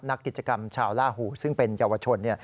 นักกิจกรรมชาวล่าหูซึ่งเป็นเยาวชน